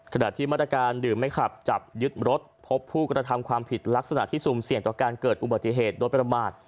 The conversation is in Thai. ขณะที่มาตรการดื่มไม่ขับจับยึดรถพบผู้กระทำความผิดลักษณะที่ซุ่มเสี่ยงต่อการเกิดอุบัติเหตุโดยประมาท